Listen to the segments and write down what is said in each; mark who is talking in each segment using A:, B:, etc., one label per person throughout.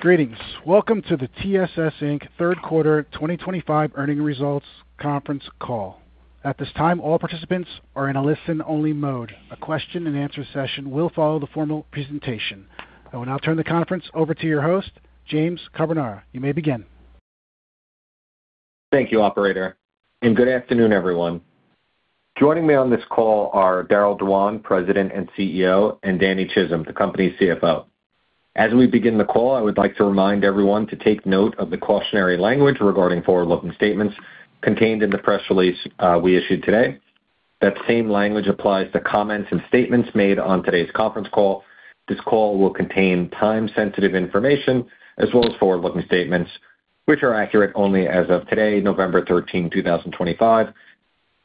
A: Greetings. Welcome to the TSS Third Quarter 2025 Earning Results Conference call. At this time, all participants are in a listen-only mode. A question-and-answer session will follow the formal presentation. I will now turn the conference over to your host, James Carbonara. You may begin.
B: Thank you, Operator. Good afternoon, everyone. Joining me on this call are Darryll Dewan, President and CEO, and Danny Chism, the Company's CFO. As we begin the call, I would like to remind everyone to take note of the cautionary language regarding forward-looking statements contained in the press release we issued today. That same language applies to comments and statements made on today's conference call. This call will contain time-sensitive information as well as forward-looking statements, which are accurate only as of today, November 13, 2025.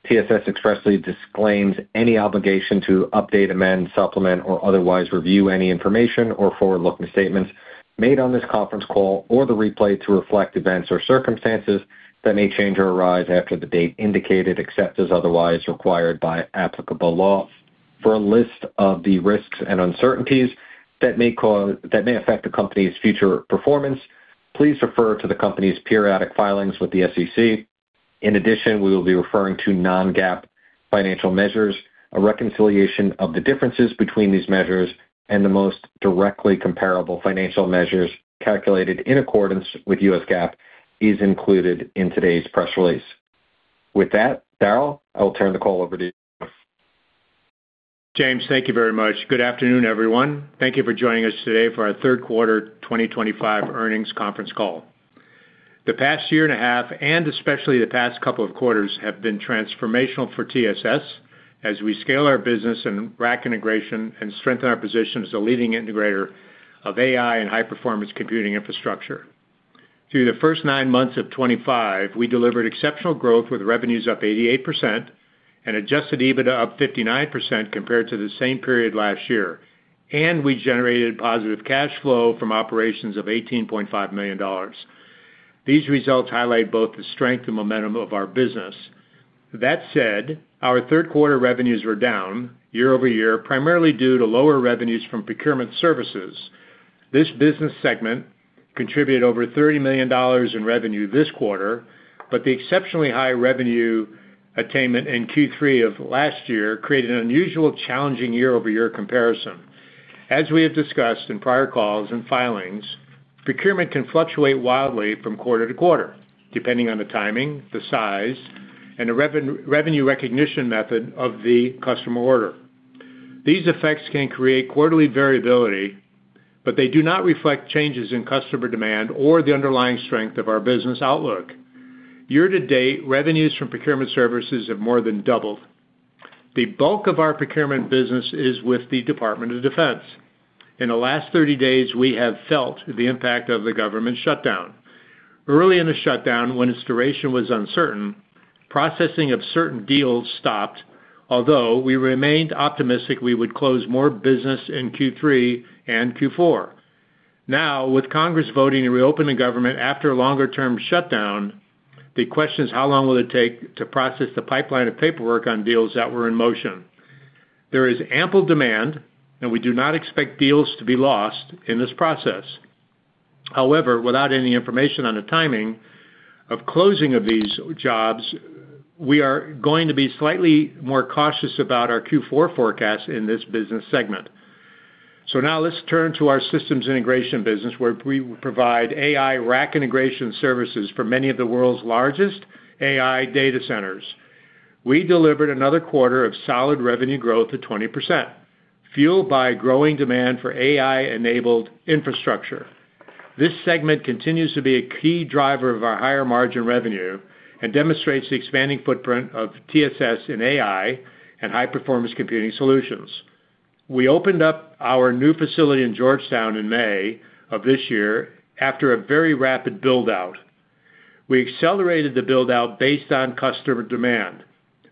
B: TSS expressly disclaims any obligation to update, amend, supplement, or otherwise review any information or forward-looking statements made on this conference call or the replay to reflect events or circumstances that may change or arise after the date indicated, except as otherwise required by applicable law. For a list of the risks and uncertainties that may affect the company's future performance, please refer to the company's periodic filings with the SEC. In addition, we will be referring to non-GAAP financial measures. A reconciliation of the differences between these measures and the most directly comparable financial measures calculated in accordance with US GAAP is included in today's press release. With that, Darryl, I will turn the call over to you.
C: James, thank you very much. Good afternoon, everyone. Thank you for joining us today for our third quarter 2025 earnings conference call. The past year and a half, and especially the past couple of quarters, have been transformational for TSS as we scale our business in rack integration and strengthen our position as a leading integrator of AI and high-performance computing infrastructure. Through the first nine months of 2025, we delivered exceptional growth with revenues up 88% and adjusted EBITDA up 59% compared to the same period last year, and we generated positive cash flow from operations of $18.5 million. These results highlight both the strength and momentum of our business. That said, our third-quarter revenues were down year over year, primarily due to lower revenues from procurement services. This business segment contributed over $30 million in revenue this quarter, but the exceptionally high revenue attainment in Q3 of last year created an unusual, challenging year-over-year comparison. As we have discussed in prior calls and filings, procurement can fluctuate wildly from quarter to quarter, depending on the timing, the size, and the revenue recognition method of the customer order. These effects can create quarterly variability, but they do not reflect changes in customer demand or the underlying strength of our business outlook. Year-to-date, revenues from procurement services have more than doubled. The bulk of our procurement business is with the Department of Defense. In the last 30 days, we have felt the impact of the government shutdown. Early in the shutdown, when its duration was uncertain, processing of certain deals stopped, although we remained optimistic we would close more business in Q3 and Q4. Now, with Congress voting to reopen the government after a longer-term shutdown, the question is how long will it take to process the pipeline of paperwork on deals that were in motion. There is ample demand, and we do not expect deals to be lost in this process. However, without any information on the timing of closing of these jobs, we are going to be slightly more cautious about our Q4 forecast in this business segment. Now let's turn to our systems integration business, where we provide AI rack integration services for many of the world's largest AI data centers. We delivered another quarter of solid revenue growth of 20%, fueled by growing demand for AI-enabled infrastructure. This segment continues to be a key driver of our higher margin revenue and demonstrates the expanding footprint of TSS in AI and high-performance computing solutions. We opened up our new facility in Georgetown in May of this year after a very rapid build-out. We accelerated the build-out based on customer demand.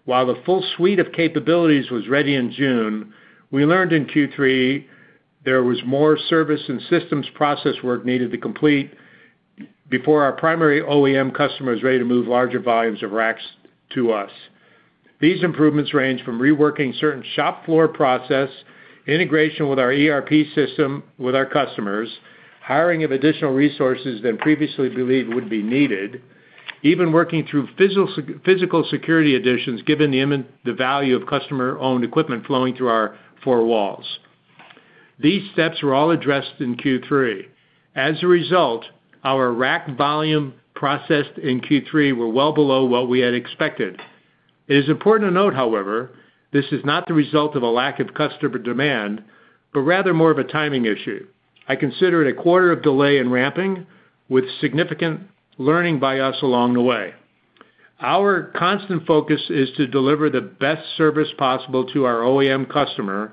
C: While the full suite of capabilities was ready in June, we learned in Q3 there was more service and systems process work needed to complete before our primary OEM customer was ready to move larger volumes of racks to us. These improvements range from reworking certain shop floor process, integration with our ERP system with our customers, hiring of additional resources than previously believed would be needed, even working through physical security additions given the value of customer-owned equipment flowing through our four walls. These steps were all addressed in Q3. As a result, our rack volume processed in Q3 was well below what we had expected. It is important to note, however, this is not the result of a lack of customer demand, but rather more of a timing issue. I consider it a quarter of delay in ramping with significant learning by us along the way. Our constant focus is to deliver the best service possible to our OEM customer,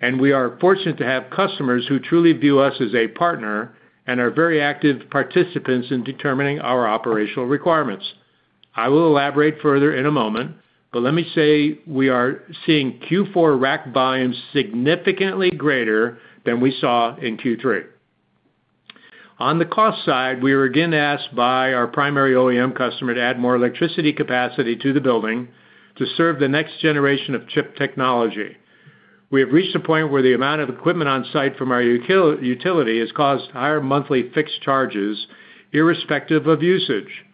C: and we are fortunate to have customers who truly view us as a partner and are very active participants in determining our operational requirements. I will elaborate further in a moment, but let me say we are seeing Q4 rack volumes significantly greater than we saw in Q3. On the cost side, we were again asked by our primary OEM customer to add more electricity capacity to the building to serve the next generation of chip technology. We have reached a point where the amount of equipment on site from our utility has caused higher monthly fixed charges irrespective of usage.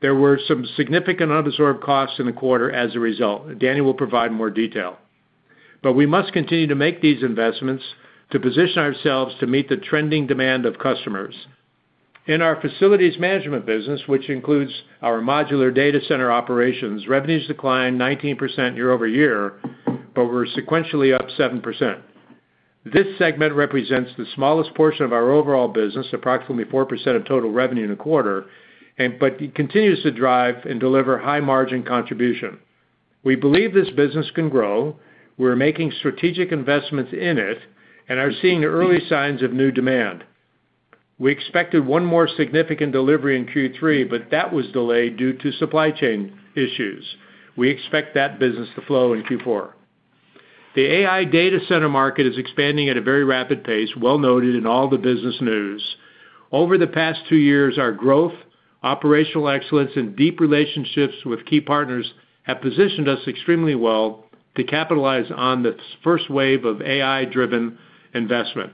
C: There were some significant unabsorbed costs in the quarter as a result. Daniel will provide more detail. We must continue to make these investments to position ourselves to meet the trending demand of customers. In our facilities management business, which includes our modular data center operations, revenues declined 19% year over year, but we're sequentially up 7%. This segment represents the smallest portion of our overall business, approximately 4% of total revenue in a quarter, but it continues to drive and deliver high-margin contribution. We believe this business can grow. We're making strategic investments in it and are seeing early signs of new demand. We expected one more significant delivery in Q3, but that was delayed due to supply chain issues. We expect that business to flow in Q4. The AI data center market is expanding at a very rapid pace, well noted in all the business news. Over the past two years, our growth, operational excellence, and deep relationships with key partners have positioned us extremely well to capitalize on the first wave of AI-driven investment.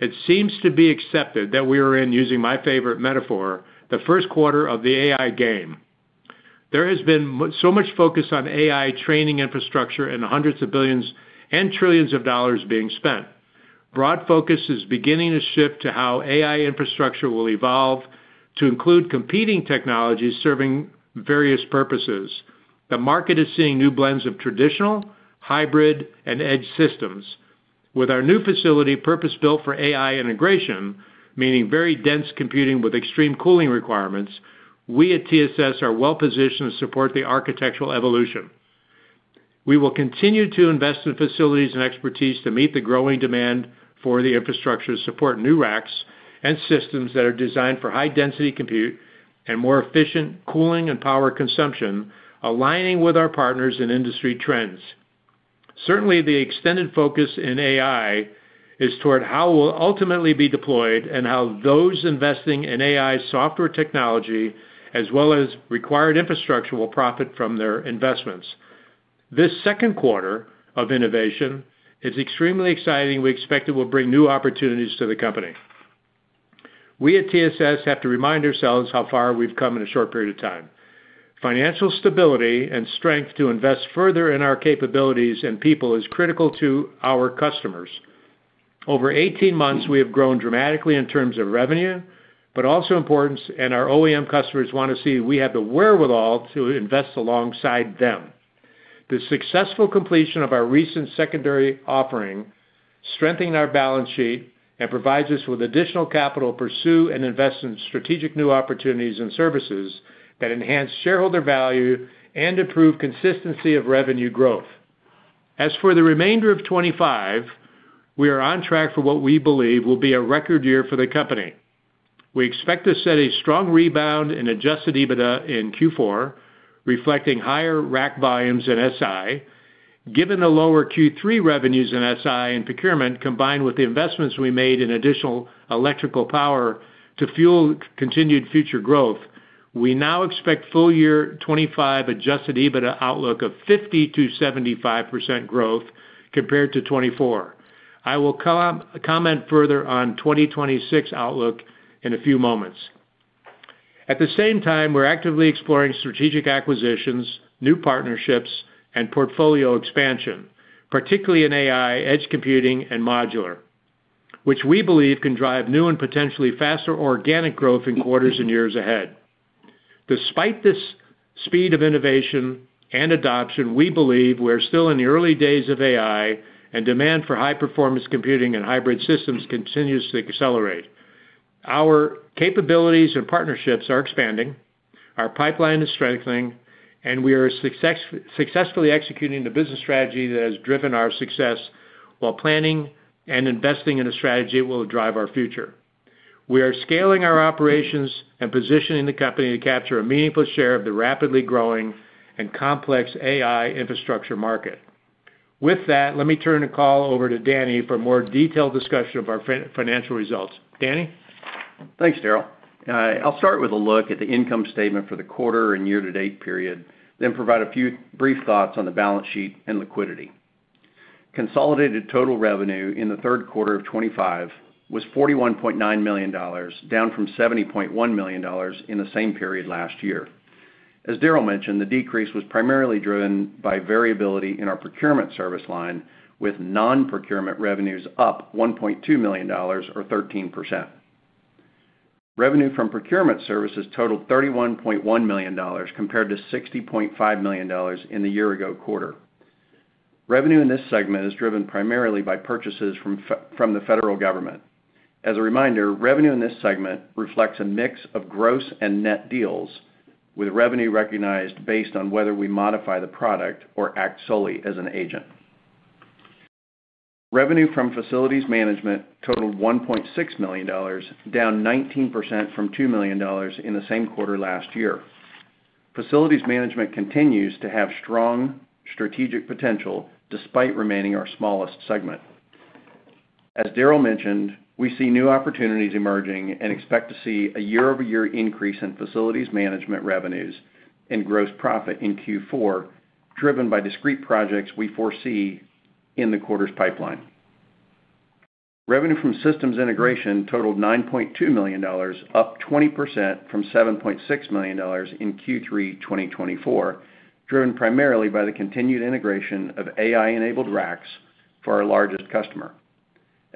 C: It seems to be accepted that we are in, using my favorite metaphor, the first quarter of the AI game. There has been so much focus on AI training infrastructure and hundreds of billions and trillions of dollars being spent. Broad focus is beginning to shift to how AI infrastructure will evolve to include competing technologies serving various purposes. The market is seeing new blends of traditional, hybrid, and edge systems. With our new facility purpose-built for AI integration, meaning very dense computing with extreme cooling requirements, we at TSS are well positioned to support the architectural evolution. We will continue to invest in facilities and expertise to meet the growing demand for the infrastructure to support new racks and systems that are designed for high-density compute and more efficient cooling and power consumption, aligning with our partners and industry trends. Certainly, the extended focus in AI is toward how it will ultimately be deployed and how those investing in AI software technology, as well as required infrastructure, will profit from their investments. This second quarter of innovation is extremely exciting. We expect it will bring new opportunities to the company. We at TSS have to remind ourselves how far we've come in a short period of time. Financial stability and strength to invest further in our capabilities and people is critical to our customers. Over 18 months, we have grown dramatically in terms of revenue, but also importance, and our OEM customers want to see we have the wherewithal to invest alongside them. The successful completion of our recent secondary offering strengthens our balance sheet and provides us with additional capital to pursue and invest in strategic new opportunities and services that enhance shareholder value and improve consistency of revenue growth. As for the remainder of 2025, we are on track for what we believe will be a record year for the company. We expect to set a strong rebound in adjusted EBITDA in Q4, reflecting higher rack volumes in SI. Given the lower Q3 revenues in SI and procurement, combined with the investments we made in additional electrical power to fuel continued future growth, we now expect full year 2025 adjusted EBITDA outlook of 50-75% growth compared to 2024. I will comment further on 2026 outlook in a few moments. At the same time, we're actively exploring strategic acquisitions, new partnerships, and portfolio expansion, particularly in AI, edge computing, and modular, which we believe can drive new and potentially faster organic growth in quarters and years ahead. Despite this speed of innovation and adoption, we believe we're still in the early days of AI, and demand for high-performance computing and hybrid systems continues to accelerate. Our capabilities and partnerships are expanding, our pipeline is strengthening, and we are successfully executing the business strategy that has driven our success while planning and investing in a strategy that will drive our future. We are scaling our operations and positioning the company to capture a meaningful share of the rapidly growing and complex AI infrastructure market. With that, let me turn the call over to Danny for a more detailed discussion of our financial results. Danny?
D: Thanks, Darryl. I'll start with a look at the income statement for the quarter and year-to-date period, then provide a few brief thoughts on the balance sheet and liquidity. Consolidated total revenue in the third quarter of 2025 was $41.9 million, down from $70.1 million in the same period last year. As Darryl mentioned, the decrease was primarily driven by variability in our procurement service line, with non-procurement revenues up $1.2 million, or 13%. Revenue from procurement services totaled $31.1 million compared to $60.5 million in the year-ago quarter. Revenue in this segment is driven primarily by purchases from the federal government. As a reminder, revenue in this segment reflects a mix of gross and net deals, with revenue recognized based on whether we modify the product or act solely as an agent. Revenue from facilities management totaled $1.6 million, down 19% from $2 million in the same quarter last year. Facilities management continues to have strong strategic potential despite remaining our smallest segment. As Darryl mentioned, we see new opportunities emerging and expect to see a year-over-year increase in facilities management revenues and gross profit in Q4, driven by discrete projects we foresee in the quarter's pipeline. Revenue from systems integration totaled $9.2 million, up 20% from $7.6 million in Q3 2024, driven primarily by the continued integration of AI-enabled racks for our largest customer.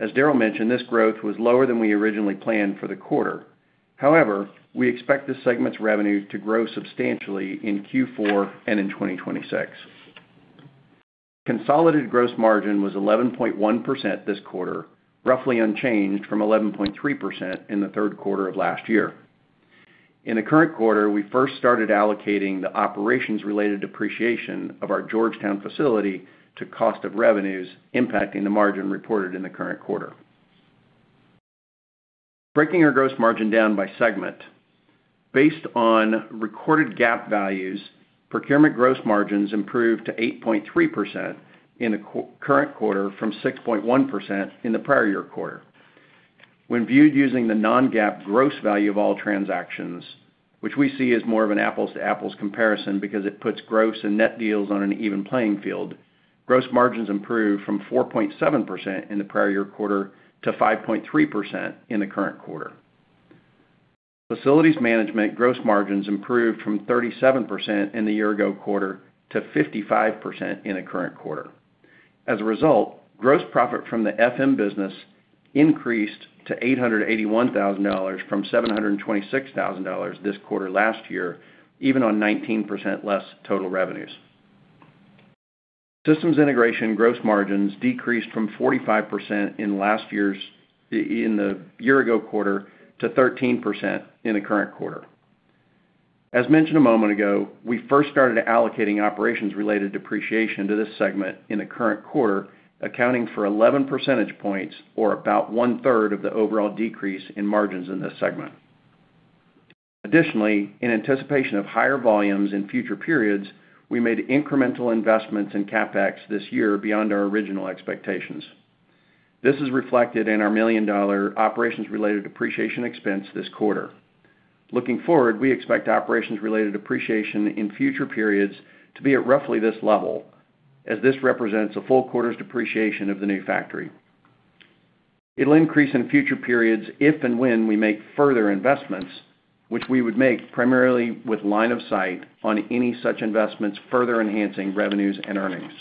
D: As Darryl mentioned, this growth was lower than we originally planned for the quarter. However, we expect this segment's revenue to grow substantially in Q4 and in 2026. Consolidated gross margin was 11.1% this quarter, roughly unchanged from 11.3% in the third quarter of last year. In the current quarter, we first *ted allocating the operations-related depreciation of our Georgetown facility to cost of revenues, impacting the margin reported in the current quarter. Breaking our gross margin down by segment, based on recorded GAAP values, procurement gross margins improved to 8.3% in the current quarter from 6.1% in the prior year quarter. When viewed using the non-GAAP gross value of all transactions, which we see as more of an apples-to-apples comparison because it puts gross and net deals on an even playing field, gross margins improved from 4.7% in the prior year quarter to 5.3% in the current quarter. Facilities management gross margins improved from 37% in the year-ago quarter to 55% in the current quarter. As a result, gross profit from the FM business increased to $881,000 from $726,000 this quarter last year, even on 19% less total revenues. Systems integration gross margins decreased from 45% in the year-ago quarter to 13% in the current quarter. As mentioned a moment ago, we first *ted allocating operations-related depreciation to this segment in the current quarter, accounting for 11 percentage points, or about one-third of the overall decrease in margins in this segment. Additionally, in anticipation of higher volumes in future periods, we made incremental investments in CapEx this year beyond our original expectations. This is reflected in our million-dollar operations-related depreciation expense this quarter. Looking forward, we expect operations-related depreciation in future periods to be at roughly this level, as this represents a full quarter's depreciation of the new factory. It'll increase in future periods if and when we make further investments, which we would make primarily with line of sight on any such investments further enhancing revenues and earnings.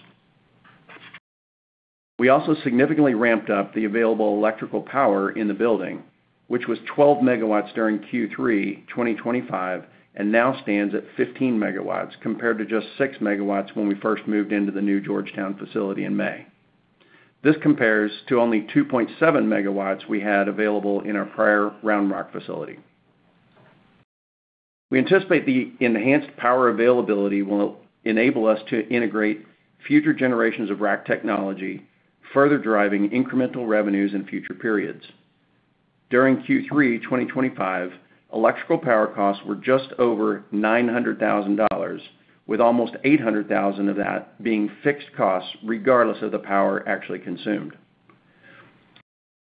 D: We also significantly ramped up the available electrical power in the building, which was 12 megawatts during Q3 2025 and now stands at 15 megawatts compared to just 6 megawatts when we first moved into the new Georgetown facility in May. This compares to only 2.7 megawatts we had available in our prior Round Rock facility. We anticipate the enhanced power availability will enable us to integrate future generations of rack technology, further driving incremental revenues in future periods. During Q3 2025, electrical power costs were just over $900,000, with almost $800,000 of that being fixed costs regardless of the power actually consumed.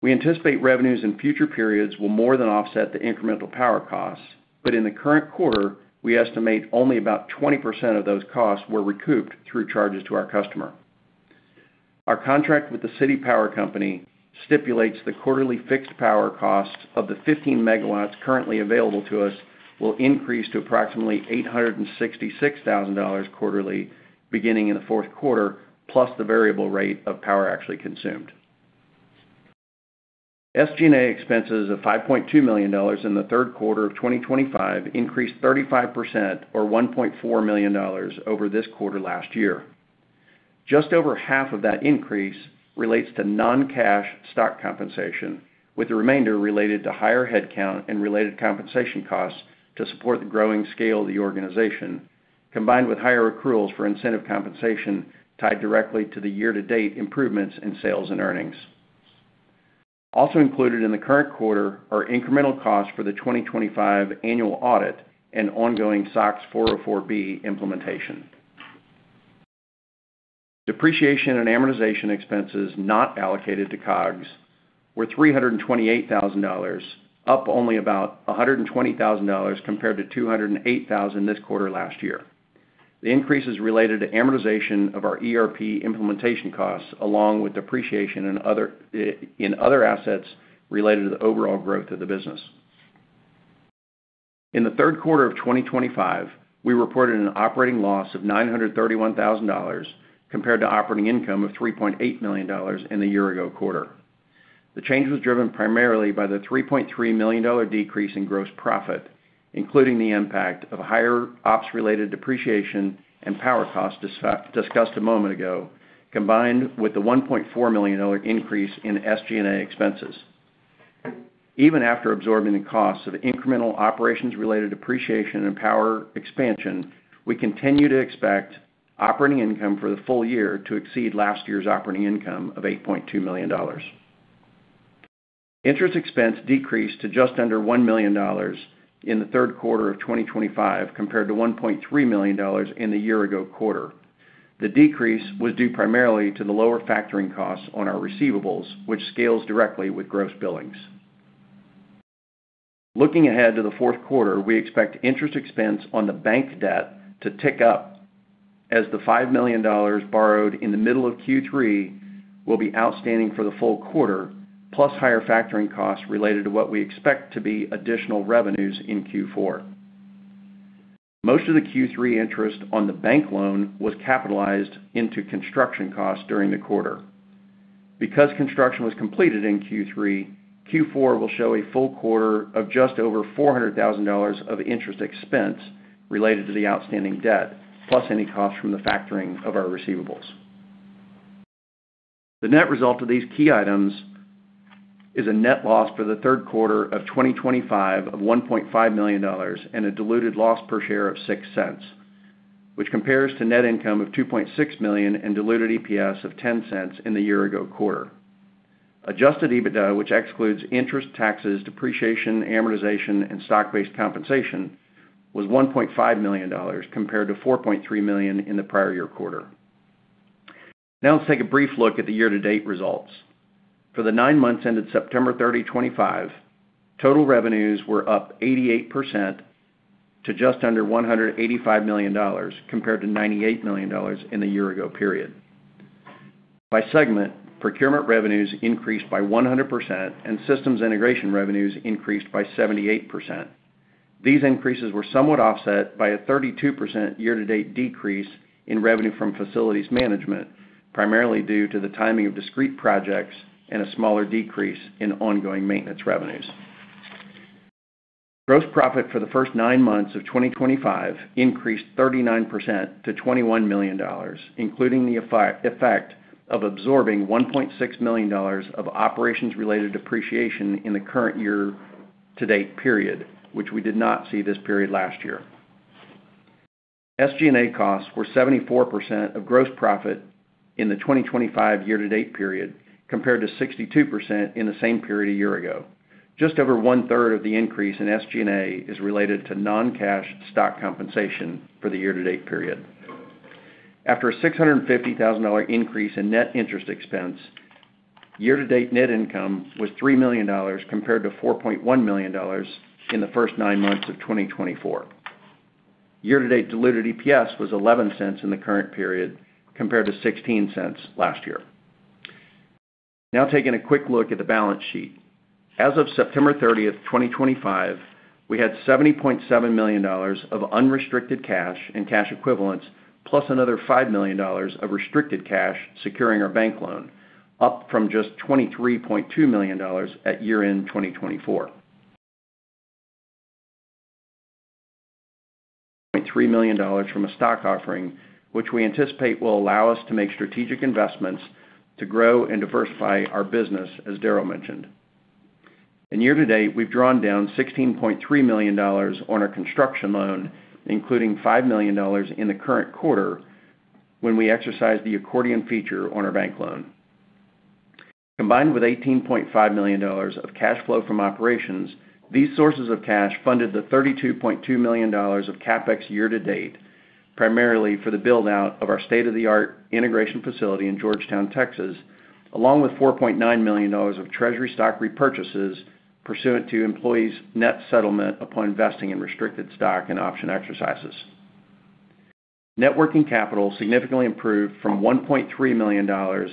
D: We anticipate revenues in future periods will more than offset the incremental power costs, but in the current quarter, we estimate only about 20% of those costs were recouped through charges to our customer. Our contract with the City Power Company stipulates the quarterly fixed power costs of the 15 megawatts currently available to us will increase to approximately $866,000 quarterly, beginning in the fourth quarter, plus the variable rate of power actually consumed. SG&A expenses of $5.2 million in the third quarter of 2025 increased 35%, or $1.4 million over this quarter last year. Just over half of that increase relates to non-cash stock compensation, with the remainder related to higher headcount and related compensation costs to support the growing scale of the organization, combined with higher accruals for incentive compensation tied directly to the year-to-date improvements in sales and earnings. Also included in the current quarter are incremental costs for the 2025 annual audit and ongoing SOX 404B implementation. Depreciation and amortization expenses not allocated to COGS were $328,000, up only about $120,000 compared to $208,000 this quarter last year. The increase is related to amortization of our ERP implementation costs, along with depreciation in other assets related to the overall growth of the business. In the third quarter of 2025, we reported an operating loss of $931,000 compared to operating income of $3.8 million in the year-ago quarter. The change was driven primarily by the $3.3 million decrease in gross profit, including the impact of higher ops-related depreciation and power costs discussed a moment ago, combined with the $1.4 million increase in SG&A expenses. Even after absorbing the costs of incremental operations-related depreciation and power expansion, we continue to expect operating income for the full year to exceed last year's operating income of $8.2 million. Interest expense decreased to just under $1 million in the third quarter of 2025 compared to $1.3 million in the year-ago quarter. The decrease was due primarily to the lower factoring costs on our receivables, which scales directly with gross billings. Looking ahead to the fourth quarter, we expect interest expense on the bank debt to tick up, as the $5 million borrowed in the middle of Q3 will be outstanding for the full quarter, plus higher factoring costs related to what we expect to be additional revenues in Q4. Most of the Q3 interest on the bank loan was capitalized into construction costs during the quarter. Because construction was completed in Q3, Q4 will show a full quarter of just over $400,000 of interest expense related to the outstanding debt, plus any costs from the factoring of our receivables. The net result of these key items is a net loss for the third quarter of 2025 of $1.5 million and a diluted loss per share of $0.06, which compares to net income of $2.6 million and diluted EPS of $0.10 in the year-ago quarter. Adjusted EBITDA, which excludes interest, taxes, depreciation, amortization, and stock-based compensation, was $1.5 million compared to $4.3 million in the prior year quarter. Now let's take a brief look at the year-to-date results. For the nine months ended September 30, 2025, total revenues were up 88% to just under $185 million compared to $98 million in the year-ago period. By segment, procurement revenues increased by 100%, and systems integration revenues increased by 78%. These increases were somewhat offset by a 32% year-to-date decrease in revenue from facilities management, primarily due to the timing of discrete projects and a smaller decrease in ongoing maintenance revenues. Gross profit for the first nine months of 2025 increased 39% to $21 million, including the effect of absorbing $1.6 million of operations-related depreciation in the current year-to-date period, which we did not see this period last year. SG&A costs were 74% of gross profit in the 2025 year-to-date period compared to 62% in the same period a year ago. Just over one-third of the increase in SG&A is related to non-cash stock compensation for the year-to-date period. After a $650,000 increase in net interest expense, year-to-date net income was $3 million compared to $4.1 million in the first nine months of 2024. Year-to-date diluted EPS was 11 cents in the current period compared to 16 cents last year. Now taking a quick look at the balance sheet. As of September 30, 2025, we had $70.7 million of unrestricted cash and cash equivalents, plus another $5 million of restricted cash securing our bank loan, up from just $23.2 million at year-end 2024. $3 million from a stock offering, which we anticipate will allow us to make strategic investments to grow and diversify our business, as Darryl mentioned. In year-to-date, we've drawn down $16.3 million on our construction loan, including $5 million in the current quarter when we exercised the accordion feature on our bank loan. Combined with $18.5 million of cash flow from operations, these sources of cash funded the $32.2 million of CapEx year-to-date, primarily for the build-out of our state-of-the-art integration facility in Georgetown, Texas, along with $4.9 million of treasury stock repurchases pursuant to employees' net settlement upon investing in restricted stock and option exercises. Networking capital significantly improved from $1.3 million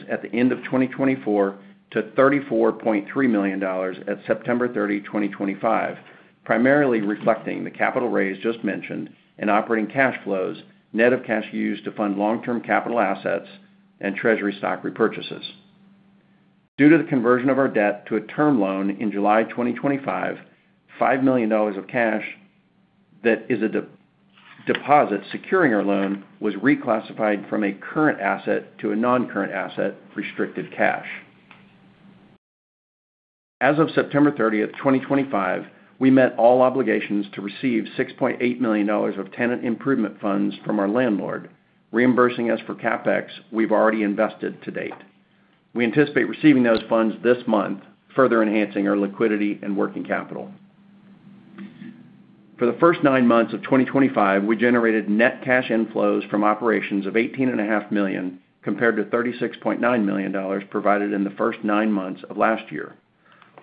D: at the end of 2024 to $34.3 million at September 30, 2025, primarily reflecting the capital raise just mentioned and operating cash flows, net of cash used to fund long-term capital assets and treasury stock repurchases. Due to the conversion of our debt to a term loan in July 2025, $5 million of cash that is a deposit securing our loan was reclassified from a current asset to a non-current asset restricted cash. As of September 30, 2025, we met all obligations to receive $6.8 million of tenant improvement funds from our landlord, reimbursing us for CapEx we've already invested to date. We anticipate receiving those funds this month, further enhancing our liquidity and working capital. For the first nine months of 2025, we generated net cash inflows from operations of $18.5 million compared to $36.9 million provided in the first nine months of last year.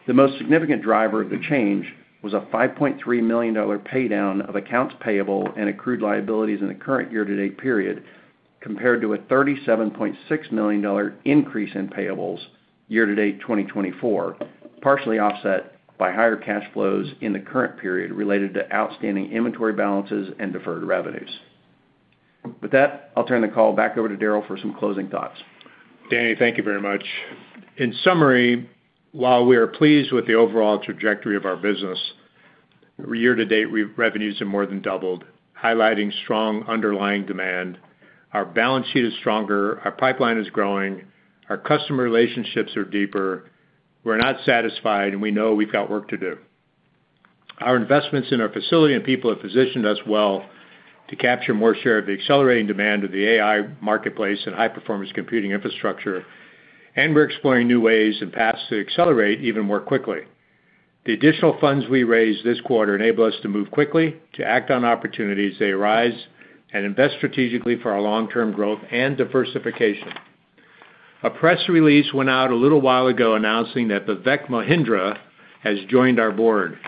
D: The most significant driver of the change was a $5.3 million paydown of accounts payable and accrued liabilities in the current year-to-date period, compared to a $37.6 million increase in payables year-to-date 2024, partially offset by higher cash flows in the current period related to outstanding inventory balances and deferred revenues. With that, I'll turn the call back over to Darryl for some closing thoughts. Danny, thank you very much. In summary, while we are pleased with the overall trajectory of our business, year-to-date revenues have more than doubled, highlighting strong underlying demand. Our balance sheet is stronger. Our pipeline is growing. Our customer relationships are deeper. We're not satisfied, and we know we've got work to do. Our investments in our facility and people have positioned us well to capture more share of the accelerating demand of the AI marketplace and high-performance computing infrastructure, and we're exploring new ways and paths to accelerate even more quickly. The additional funds we raised this quarter enable us to move quickly, to act on opportunities as they arise, and invest strategically for our long-term growth and diversification. A press release went out a little while ago announcing that Vivek Mahindra has joined our board.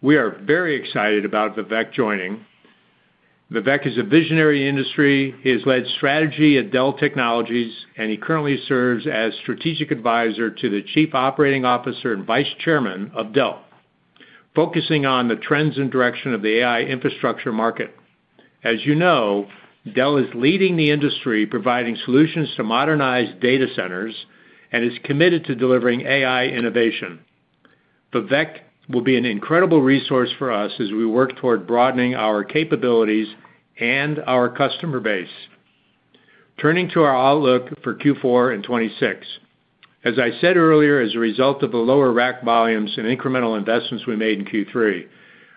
D: We are very excited about Vivek joining. Vivek is a visionary industry leader. He has led strategy at Dell Technologies, and he currently serves as strategic advisor to the Chief Operating Officer and Vice Chairman of Dell, focusing on the trends and direction of the AI infrastructure market. As you know, Dell is leading the industry, providing solutions to modernized data centers and is committed to delivering AI innovation. Vivek will be an incredible resource for us as we work toward broadening our capabilities and our customer base. Turning to our outlook for Q4 and 2026, as I said earlier, as a result of the lower rack volumes and incremental investments we made in Q3,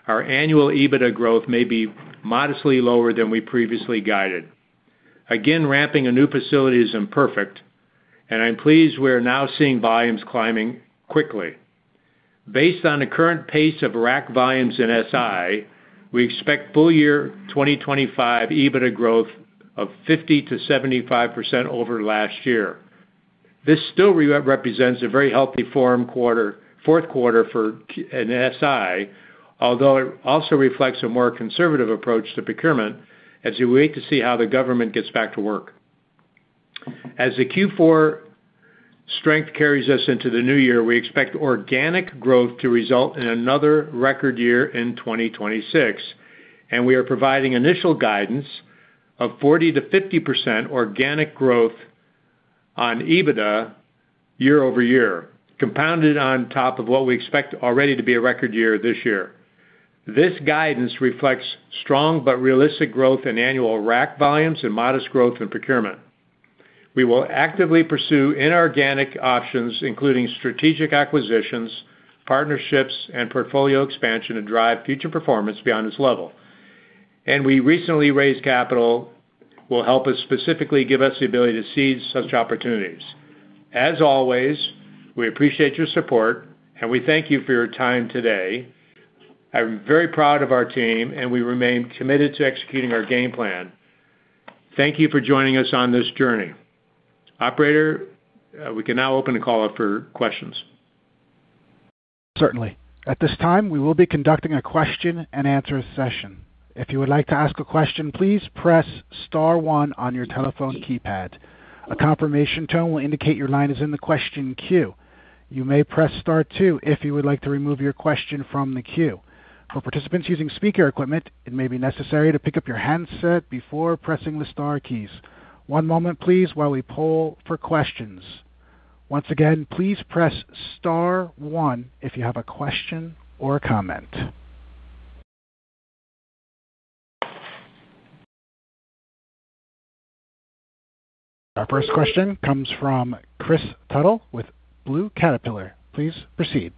D: our annual EBITDA growth may be modestly lower than we previously guided. Again, ramping a new facility is imperfect, and I'm pleased we're now seeing volumes climbing quickly. Based on the current pace of rack volumes in SI, we expect full year 2025 EBITDA growth of 50%-75% over last year. This still represents a very healthy fourth quarter for an SI, although it also reflects a more conservative approach to procurement as we wait to see how the government gets back to work. As the Q4 strength carries us into the new year, we expect organic growth to result in another record year in 2026, and we are providing initial guidance of 40%-50% organic growth on EBITDA year over year, compounded on top of what we expect already to be a record year this year. This guidance reflects strong but realistic growth in annual rack volumes and modest growth in procurement. We will actively pursue inorganic options, including strategic acquisitions, partnerships, and portfolio expansion to drive future performance beyond this level. We recently raised capital. Will help us specifically give us the ability to seize such opportunities. As always, we appreciate your support, and we thank you for your time today. I'm very proud of our team, and we remain committed to executing our game plan. Thank you for joining us on this journey. Operator, we can now open the call up for questions.
A: Certainly. At this time, we will be conducting a question-and-answer session. If you would like to ask a question, please press * 1 on your telephone keypad. A confirmation tone will indicate your line is in the question queue. You may press * 2 if you would like to remove your question from the queue. For participants using speaker equipment, it may be necessary to pick up your handset before pressing the * keys. One moment, please, while we poll for questions. Once again, please press * 1 if you have a question or a comment. Our first question comes from Kris Tuttle with Blue Caterpillar. Please proceed.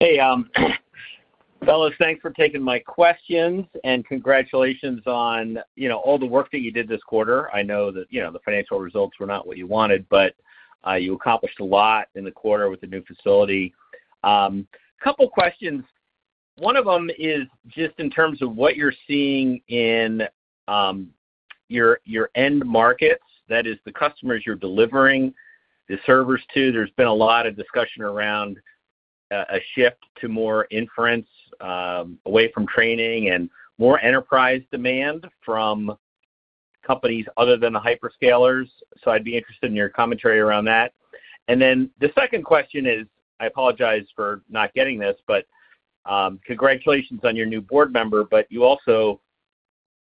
E: Hey, fellows, thanks for taking my questions and congratulations on all the work that you did this quarter. I know that the financial results were not what you wanted, but you accomplished a lot in the quarter with the new facility. A couple of questions. One of them is just in terms of what you're seeing in your end markets, that is, the customers you're delivering the servers to. There's been a lot of discussion around a shift to more inference away from training and more enterprise demand from companies other than the hyperscalers. I'd be interested in your commentary around that. Then the second question is, I apologize for not getting this, but congratulations on your new board member, but you also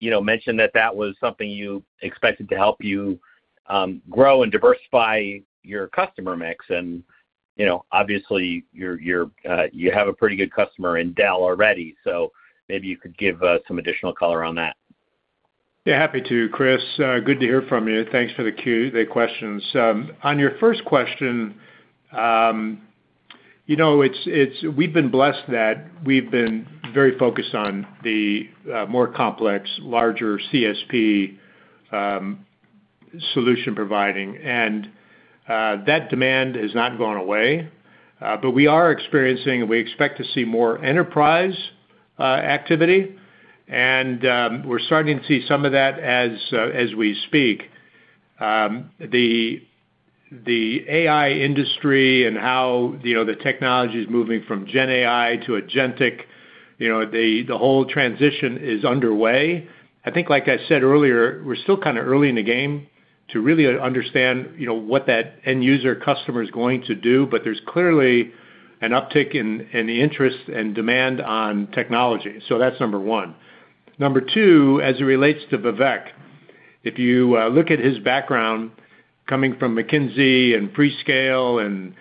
E: mentioned that that was something you expected to help you grow and diversify your customer mix. Obviously, you have a pretty good customer in Dell already, so maybe you could give us some additional color on that.
D: Yeah, happy to, Kris. Good to hear from you. Thanks for the questions. On your first question, we've been blessed that we've been very focused on the more complex, larger CSP solution providing, and that demand has not gone away. We are experiencing, and we expect to see more enterprise activity, and we're *ting to see some of that as we speak. The AI industry and how the technology is moving from GenAI to Agentic, the whole transition is underway. I think, like I said earlier, we're still kind of early in the game to really understand what that end user customer is going to do, but there's clearly an uptick in the interest and demand on technology. That's number one. Number two, as it relates to Vivek, if you look at his background coming from McKinsey and FreeScale and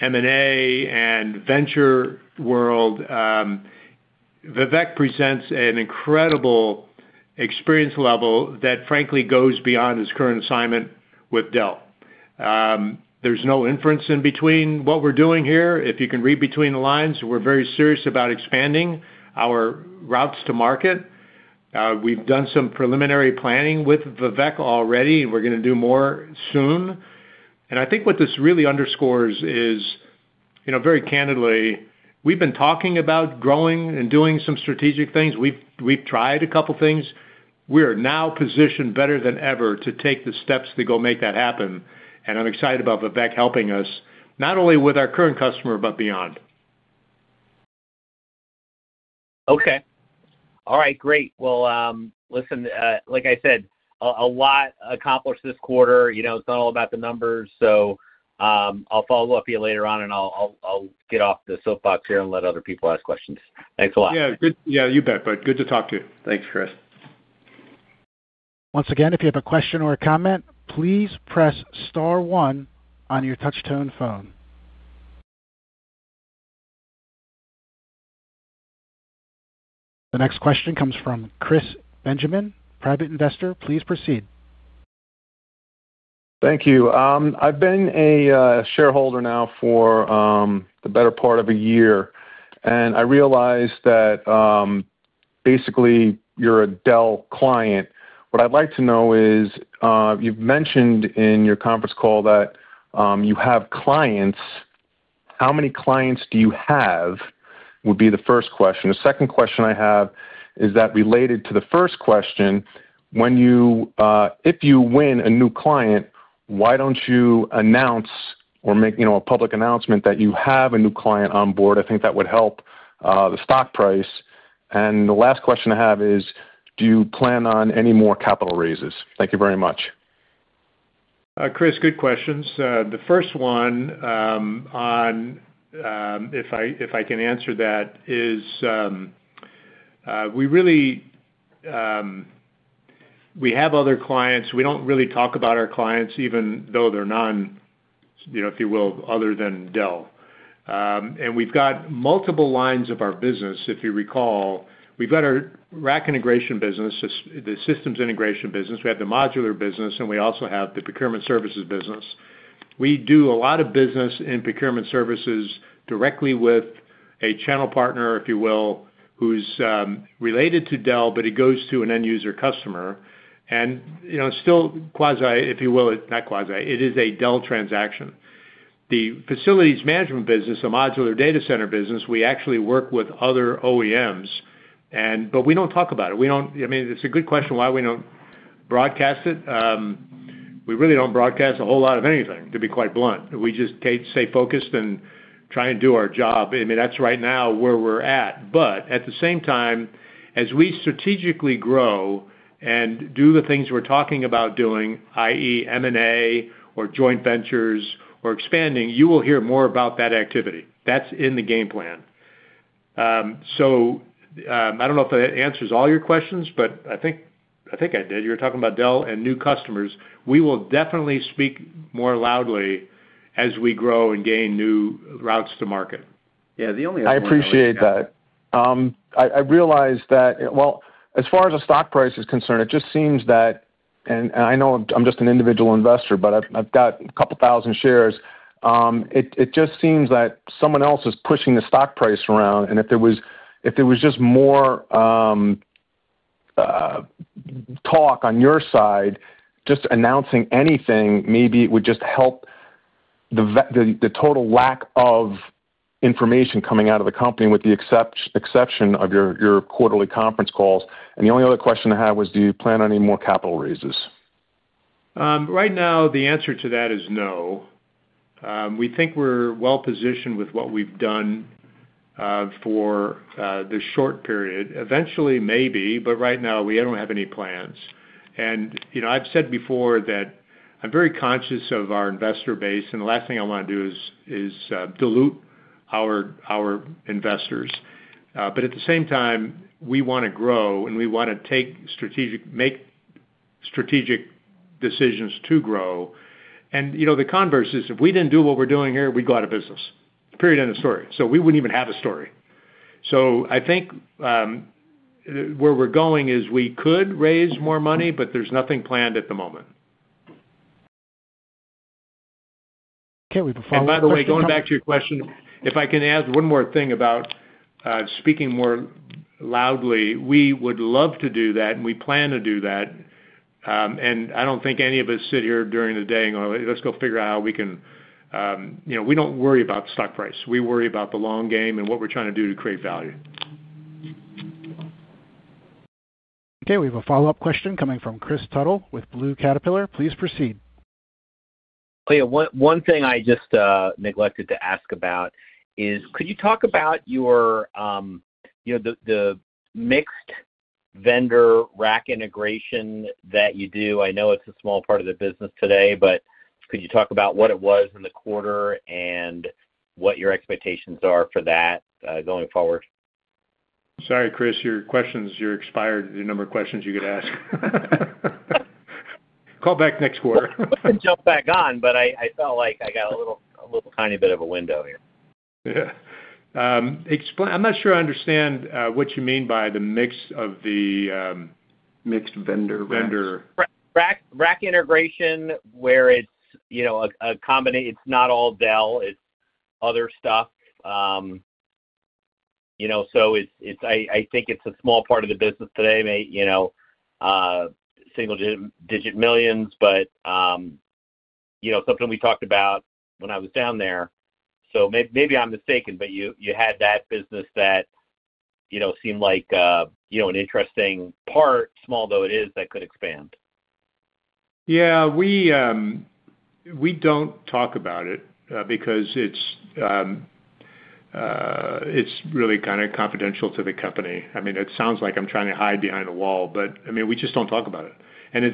D: M&A and venture world, Vivek presents an incredible experience level that, frankly, goes beyond his current assignment with Dell. There's no inference in between what we're doing here. If you can read between the lines, we're very serious about expanding our routes to market. We've done some preliminary planning with Vivek already, we're going to do more soon. I think what this really underscores is, very candidly, we've been talking about growing and doing some strategic things. We've tried a couple of things. We are now positioned better than ever to take the steps to go make that happen. I'm excited about Vivek helping us, not only with our current customer, but beyond.
E: Okay. All right. Great. Like I said, a lot accomplished this quarter. It's not all about the numbers. I'll follow up with you later on, and I'll get off the soapbox here and let other people ask questions.
D: Thanks a lot. Yeah. You bet, bud. Good to talk to you. Thanks, Kris.
A: Once again, if you have a question or a comment, please press * 1 on your touch-tone phone. The next question comes from Kris Benjamin, private investor. Please proceed.
F: Thank you. I've been a shareholder now for the better part of a year, and I realized that basically you're a Dell client. What I'd like to know is you've mentioned in your conference call that you have clients. How many clients do you have would be the first question. The second question I have is that related to the first question. If you win a new client, why don't you announce or make a public announcement that you have a new client on board? I think that would help the stock price. The last question I have is, do you plan on any more capital raises?
D: Thank you very much. Kris, good questions. The first one, if I can answer that, is we have other clients. We don't really talk about our clients, even though they're non-if you will, other than Dell. We've got multiple lines of our business. If you recall, we've got our rack integration business, the systems integration business. We have the modular business, and we also have the procurement services business. We do a lot of business in procurement services directly with a channel partner, if you will, who's related to Dell, but it goes to an end user customer. Still, quasi-if you will, not quasi, it is a Dell transaction. The facilities management business, the modular data center business, we actually work with other OEMs, but we do not talk about it. I mean, it is a good question why we do not broadcast it. We really do not broadcast a whole lot of anything, to be quite blunt. We just stay focused and try and do our job. I mean, that is right now where we are at. At the same time, as we strategically grow and do the things we are talking about doing, i.e., M&A or joint ventures or expanding, you will hear more about that activity. That's in the game plan. I don't know if that answers all your questions, but I think I did. You were talking about Dell and new customers. We will definitely speak more loudly as we grow and gain new routes to market.
F: Yeah. The only thing, I appreciate that. I realize that, as far as the stock price is concerned, it just seems that—I know I'm just an individual investor, but I've got a couple thousand shares—it just seems that someone else is pushing the stock price around. If there was just more talk on your side, just announcing anything, maybe it would just help the total lack of information coming out of the company with the exception of your quarterly conference calls. The only other question I have was, do you plan on any more capital raises?
D: Right now, the answer to that is no. We think we're well-positioned with what we've done for the short period. Eventually, maybe, but right now, we don't have any plans. I've said before that I'm very conscious of our investor base, and the last thing I want to do is dilute our investors. At the same time, we want to grow, and we want to make strategic decisions to grow. The converse is, if we didn't do what we're doing here, we'd go out of business. Period, end of story. We wouldn't even have a story. I think where we're going is we could raise more money, but there's nothing planned at the moment. Can't we perform? By the way, going back to your question, if I can add one more thing about speaking more loudly, we would love to do that, and we plan to do that. I do not think any of us sit here during the day and go, "Let's go figure out how we can—" we do not worry about the stock price. We worry about the long game and what we are trying to do to create value.
A: Okay. We have a follow-up question coming from Kris Tuttle with Blue Caterpillar. Please proceed.
E: Oh yeah. One thing I just neglected to ask about is, could you talk about your mixed vendor rack integration that you do? I know it is a small part of the business today, but could you talk about what it was in the quarter and what your expectations are for that going forward?
D: Sorry, Kris. Your questions, you are expired. The number of questions you could ask. Call back next quarter.
E: I can jump back on, but I felt like I got a little tiny bit of a window here.
D: Yeah. I'm not sure I understand what you mean by the mix of the mixed vendor
E: rack integration where it's a combination, it's not all Dell, it's other stuff. I think it's a small part of the business today, single-digit millions, but something we talked about when I was down there. Maybe I'm mistaken, but you had that business that seemed like an interesting part, small though it is, that could expand. Y
D: eah. We don't talk about it because it's really kind of confidential to the company. I mean, it sounds like I'm trying to hide behind a wall, but I mean, we just don't talk about it.
E: As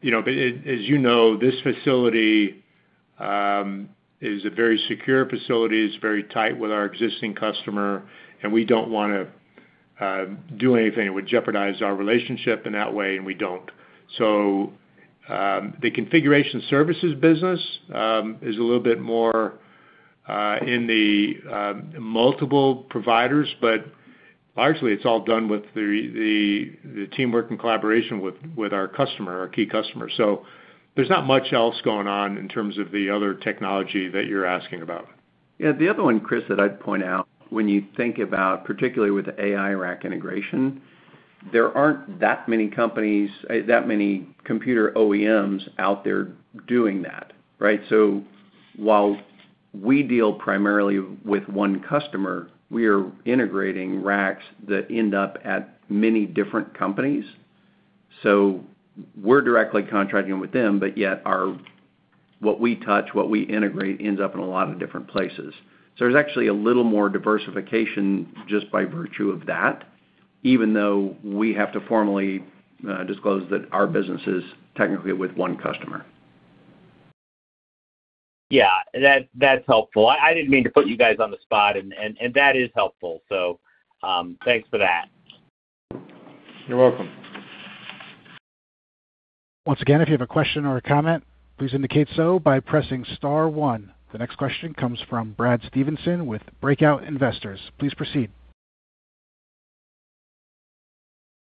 E: you know, this facility is a very secure facility. It's very tight with our existing customer, and we don't want to do anything that would jeopardize our relationship in that way, and we don't. The configuration services business is a little bit more in the multiple providers, but largely, it's all done with the teamwork and collaboration with our customer, our key customer. There's not much else going on in terms of the other technology that you're asking about. Yeah. The other one, Kris, that I'd point out, when you think about particularly with the AI rack integration, there aren't that many companies, that many computer OEMs out there doing that, right? While we deal primarily with one customer, we are integrating racks that end up at many different companies. So we're directly contracting with them, but yet what we touch, what we integrate, ends up in a lot of different places. There's actually a little more diversification just by virtue of that, even though we have to formally disclose that our business is technically with one customer. Yeah. That's helpful. I didn't mean to put you guys on the spot, and that is helpful. Thanks for that.
D: You're welcome.
A: Once again, if you have a question or a comment, please indicate so by pressing * 1. The next question comes from Brad Stevenson with Breakout Investors. Please proceed.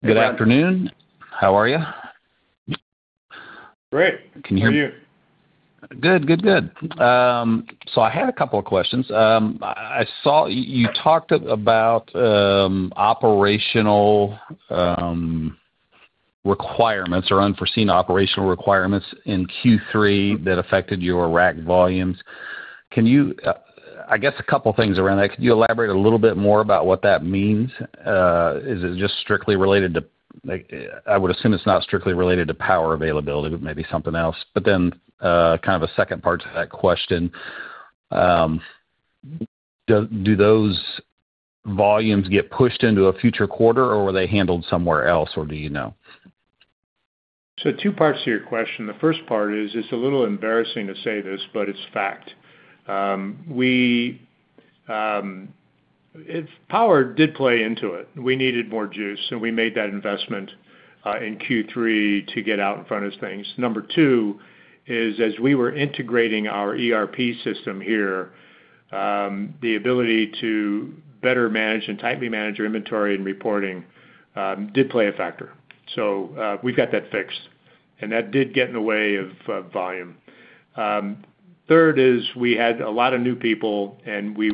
A: Good afternoon.
G: How are you? Great. Can you hear me? Good. Good, good. I had a couple of questions. I saw you talked about operational requirements or unforeseen operational requirements in Q3 that affected your rack volumes. I guess a couple of things around that. Could you elaborate a little bit more about what that means? Is it just strictly related to—I would assume it's not strictly related to power availability, but maybe something else. Then kind of a second part to that question. Do those volumes get pushed into a future quarter, or were they handled somewhere else, or do you know?
D: Two parts to your question. The first part is, it's a little embarrassing to say this, but it's fact. Power did play into it. We needed more juice, and we made that investment in Q3 to get out in front of things. Number two is, as we were integrating our ERP system here, the ability to better manage and tightly manage our inventory and reporting did play a factor. We've got that fixed, and that did get in the way of volume. Third is, we had a lot of new people, and we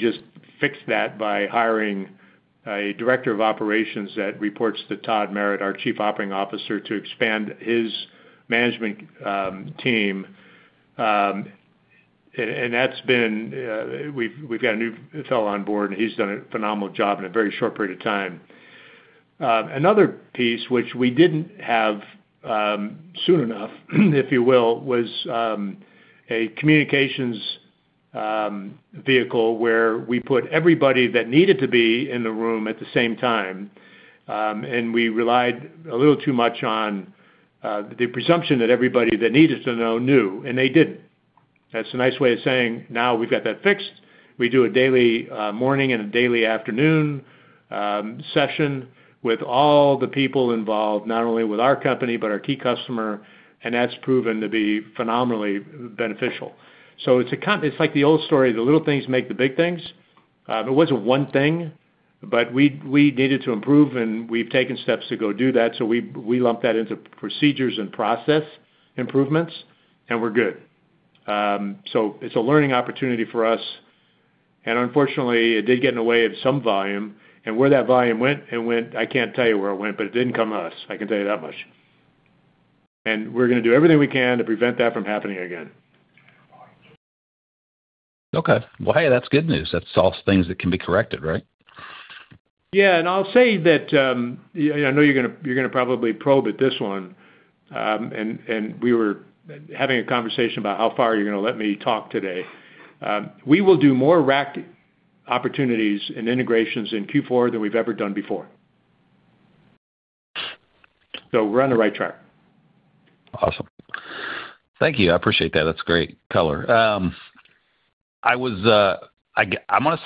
D: just fixed that by hiring a Director of Operations that reports to Todd Merritt, our Chief Operating Officer, to expand his management team. We've got a new fellow on board, and he's done a phenomenal job in a very short period of time. Another piece, which we didn't have soon enough, if you will, was a communications vehicle where we put everybody that needed to be in the room at the same time. We relied a little too much on the presumption that everybody that needed to know knew, and they didn't. That's a nice way of saying, "Now we've got that fixed." We do a daily morning and a daily afternoon session with all the people involved, not only with our company but our key customer, and that's proven to be phenomenally beneficial. It's like the old story, the little things make the big things. It wasn't one thing, but we needed to improve, and we've taken steps to go do that. We lump that into procedures and process improvements, and we're good. It's a learning opportunity for us. Unfortunately, it did get in the way of some volume. Where that volume went, I can't tell you where it went, but it didn't come to us. I can tell you that much. We're going to do everything we can to prevent that from happening again.
G: Okay. Hey, that's good news. That's all things that can be corrected, right?
D: Yeah. I'll say that I know you're going to probably probe at this one, and we were having a conversation about how far you're going to let me talk today. We will do more rack opportunities and integrations in Q4 than we've ever done before. We're on the right track. Awesome. Thank you. I appreciate that. That's great color. I want to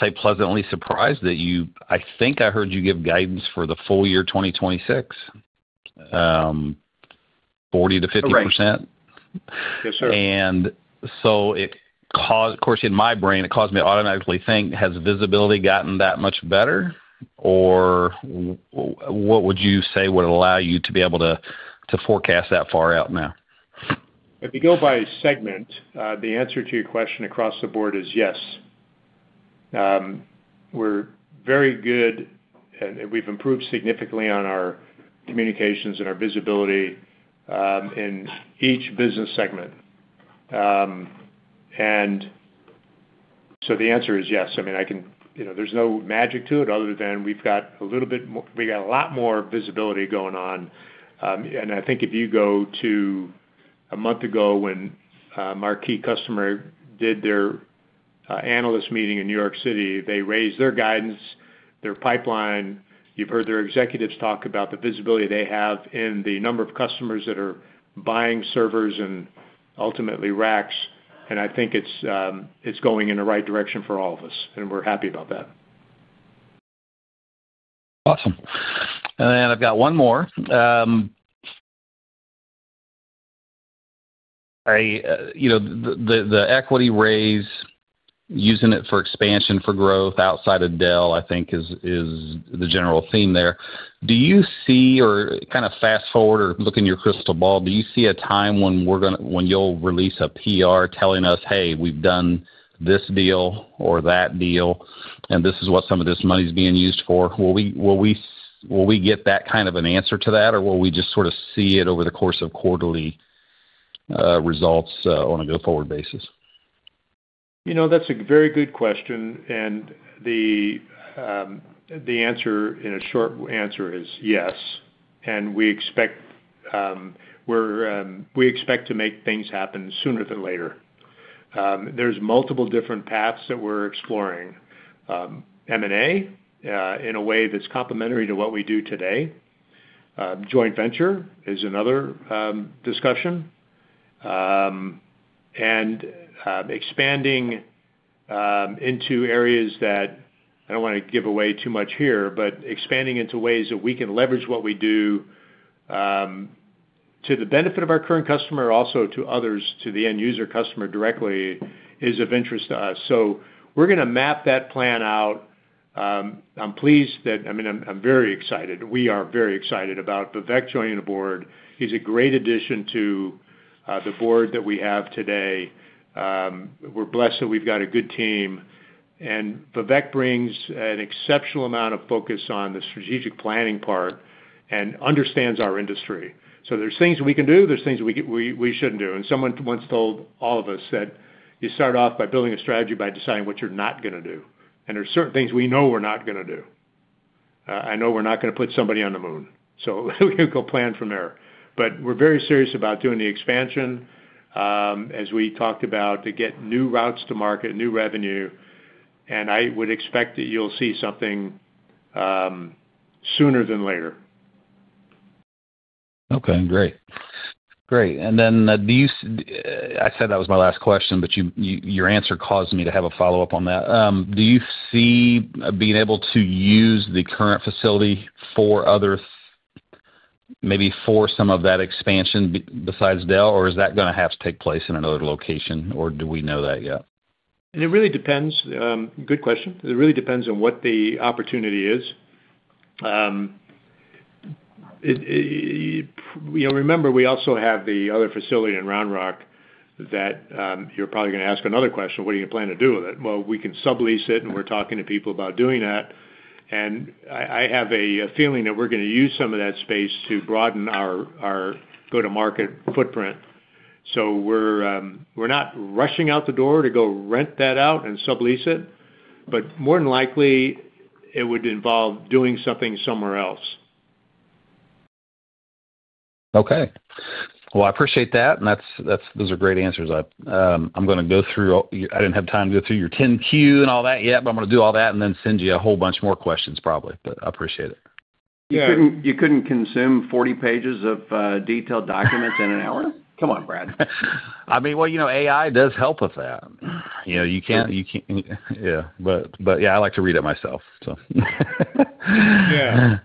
D: say pleasantly surprised that I think I heard you give guidance for the full year 2026, 40%-50%. Yes, sir. In my brain, it caused me to automatically think, "Has visibility gotten that much better?" What would you say would allow you to be able to forecast that far out now? If you go by segment, the answer to your question across the board is yes. We're very good, and we've improved significantly on our communications and our visibility in each business segment. The answer is yes. I mean, there's no magic to it other than we've got a little bit more, we got a lot more visibility going on. I think if you go to a month ago when our key customer did their analyst meeting in New York City, they raised their guidance, their pipeline. You've heard their executives talk about the visibility they have in the number of customers that are buying servers and ultimately racks. I think it's going in the right direction for all of us, and we're happy about that.
G: Awesome. I've got one more. The equity raise, using it for expansion for growth outside of Dell, I think is the general theme there. Do you see or kind of fast forward or look in your crystal ball, do you see a time when you'll release a PR telling us, "Hey, we've done this deal or that deal, and this is what some of this money's being used for"? Will we get that kind of an answer to that, or will we just sort of see it over the course of quarterly results on a go-forward basis? That's a very good question. The answer in a short answer is yes. We expect to make things happen sooner than later.
D: are multiple different paths that we are exploring: M&A in a way that is complementary to what we do today, joint venture is another discussion, and expanding into areas that I do not want to give away too much here, but expanding into ways that we can leverage what we do to the benefit of our current customer, also to others, to the end user customer directly, is of interest to us. We are going to map that plan out. I am pleased that—I mean, I am very excited. We are very excited about Vivek joining the board. He is a great addition to the board that we have today. We are blessed that we have got a good team. Vivek brings an exceptional amount of focus on the strategic planning part and understands our industry. There are things we can do. There are things we should not do. Someone once told all of us that you start off by building a strategy by deciding what you're not going to do. There are certain things we know we're not going to do. I know we're not going to put somebody on the moon. We'll go plan from there. We're very serious about doing the expansion, as we talked about, to get new routes to market, new revenue. I would expect that you'll see something sooner than later. Okay. Great. Great. I said that was my last question, but your answer caused me to have a follow-up on that. Do you see being able to use the current facility for maybe some of that expansion besides Dell, or is that going to have to take place in another location, or do we know that yet? It really depends. Good question. It really depends on what the opportunity is. Remember, we also have the other facility in Round Rock that you're probably going to ask another question, "What are you going to plan to do with it?" We can sublease it, and we're talking to people about doing that. I have a feeling that we're going to use some of that space to broaden our go-to-market footprint. We're not rushing out the door to go rent that out and sublease it, but more than likely, it would involve doing something somewhere else. I appreciate that. Those are great answers. I'm going to go through—I didn't have time to go through your 10Q and all that yet, but I'm going to do all that and then send you a whole bunch more questions probably. I appreciate it. You couldn't consume 40 pages of detailed documents in an hour? Come on, Brad. I mean, AI does help with that. You can't—yeah. But yeah, I like to read it myself, so. Yeah.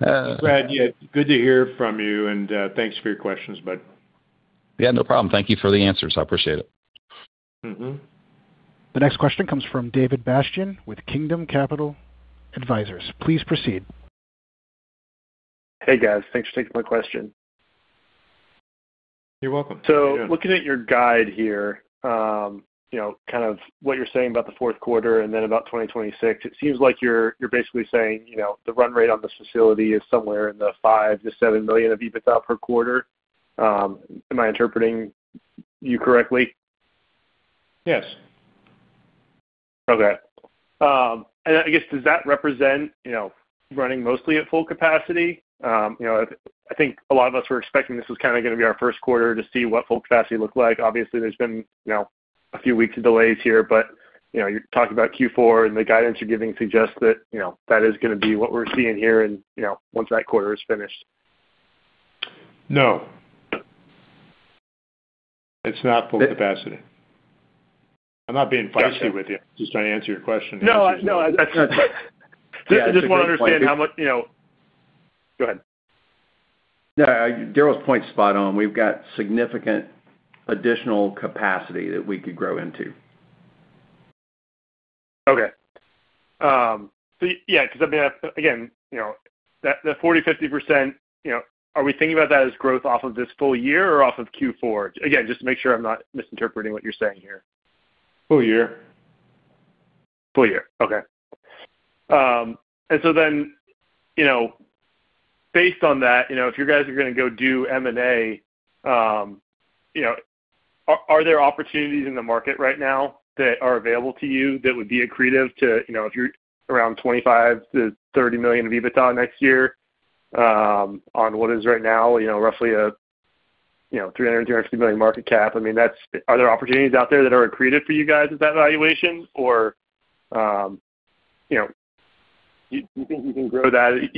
D: Brad, yeah, good to hear from you, and thanks for your questions, bud. Yeah. No problem. Thank you for the answers. I appreciate it. The next question comes from David Bastion with Kingdom Capital Advisors. Please proceed. Hey, guys. Thanks for taking my question. You're welcome. So looking at your guide here, kind of what you're saying about the fourth quarter and then about 2026, it seems like you're basically saying the run rate on this facility is somewhere in the $5 million-$7 million of EBITDA per quarter. Am I interpreting you correctly? Yes. Okay. And I guess, does that represent running mostly at full capacity? I think a lot of us were expecting this was kind of going to be our first quarter to see what full capacity looked like. Obviously, there's been a few weeks of delays here, but you're talking about Q4, and the guidance you're giving suggests that that is going to be what we're seeing here once that quarter is finished. No. It's not full capacity. I'm not being feisty with you. I'm just trying to answer your question. No, no. I just want to understand how much—go ahead. Yeah. Darryl's point's spot on. We've got significant additional capacity that we could grow into. Okay. So yeah, because I mean, again, the 40-50%, are we thinking about that as growth off of this full year or off of Q4? Again, just to make sure I'm not misinterpreting what you're saying here. Full year. Full year. Okay. Then based on that, if you guys are going to go do M&A, are there opportunities in the market right now that are available to you that would be accretive to if you're around $25 million-$30 million of EBITDA next year on what is right now roughly a $300 million-$350 million market cap? I mean, are there opportunities out there that are accretive for you guys at that valuation, or do you think you can grow that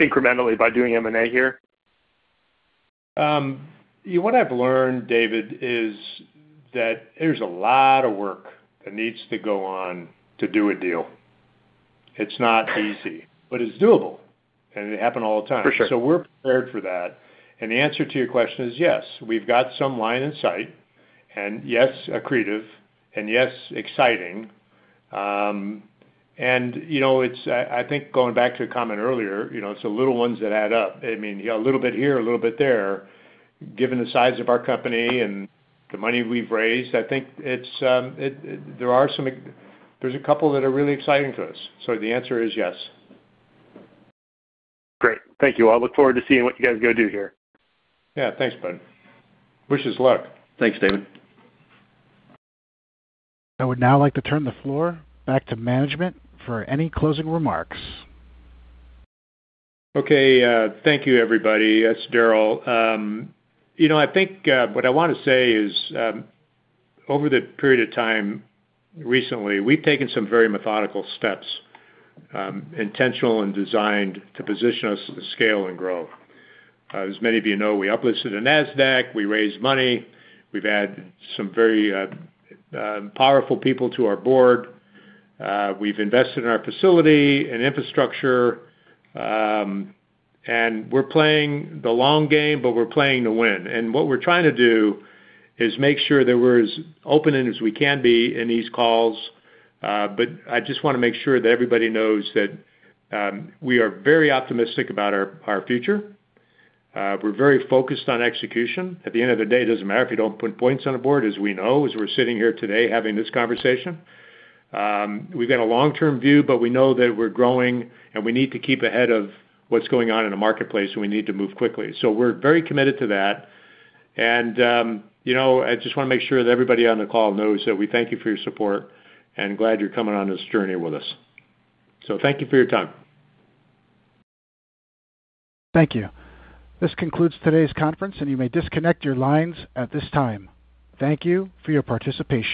D: incrementally by doing M&A here? What I've learned, David, is that there's a lot of work that needs to go on to do a deal. It's not easy, but it's doable, and it happens all the time. We're prepared for that. The answer to your question is yes. We've got some line in sight, and yes, accretive, and yes, exciting. I think going back to the comment earlier, it's the little ones that add up. I mean, a little bit here, a little bit there. Given the size of our company and the money we've raised, I think there are some—there's a couple that are really exciting to us. So the answer is yes. Great. Thank you. I'll look forward to seeing what you guys go do here. Yeah. Thanks, bud. Wish us luck. Thanks, David. I would now like to turn the floor back to management for any closing remarks. Okay. Thank you, everybody. That's Darryl. I think what I want to say is over the period of time recently, we've taken some very methodical steps, intentional and designed to position us to scale and grow. As many of you know, we uplisted a NASDAQ. We raised money. We've added some very powerful people to our board. We've invested in our facility and infrastructure. We're playing the long game, but we're playing to win. What we're trying to do is make sure that we're as open as we can be in these calls. I just want to make sure that everybody knows that we are very optimistic about our future. We're very focused on execution. At the end of the day, it doesn't matter if you don't put points on the board, as we know, as we're sitting here today having this conversation. We've got a long-term view, but we know that we're growing, and we need to keep ahead of what's going on in the marketplace, and we need to move quickly. We're very committed to that. I just want to make sure that everybody on the call knows that we thank you for your support and glad you're coming on this journey with us. Thank you for your time. Thank you. This concludes today's conference, and you may disconnect your lines at this time. Thank you for your participation.